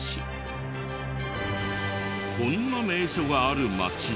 こんな名所がある町で。